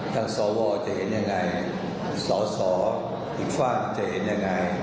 ทางสวจะเห็นยังไงสอีกฝั่งจะเห็นยังไง